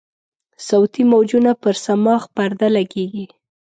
صوتي موجونه پر صماخ پرده لګیږي.